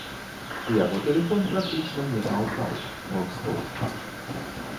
Яго тэлефон практычна не змаўкаў, нон-стоп!